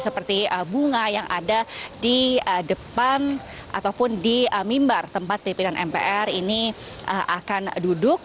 seperti bunga yang ada di depan ataupun di mimbar tempat pimpinan mpr ini akan duduk